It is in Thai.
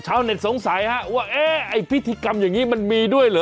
ชาวเน็ตสงสัยฮะว่าเอ๊ะไอ้พิธีกรรมอย่างนี้มันมีด้วยเหรอ